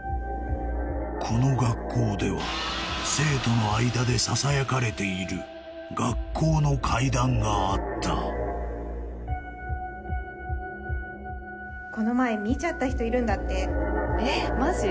この学校では生徒の間でささやかれている学校の怪談があったこの前見ちゃった人いるんだってえマジ？